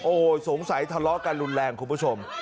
โอ้โหสงสัยทะเลาะกันรุนแรงคุณผู้ชม